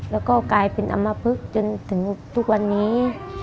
แล้วก็กลายเป็นอำมพลึกจนถึงทุกวันนี้